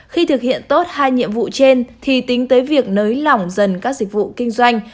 khi thực hiện tốt hai nhiệm vụ trên thì tính tới việc nới lỏng dần các dịch vụ kinh doanh